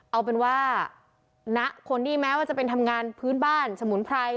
เอาเป็นว่าณคนที่แม้ว่าจะเป็นทำงานพื้นบ้านสมุนไพร